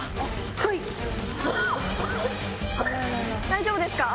大丈夫ですか？